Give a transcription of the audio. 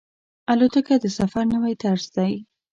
الوتکه د سفر نوی طرز دی.